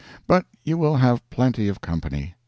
But you will have plenty of company.